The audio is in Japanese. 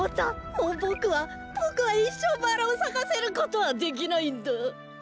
もうボクはボクはいっしょうバラをさかせることはできないんだ！